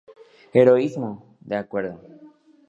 Heroísmo, de acuerdo.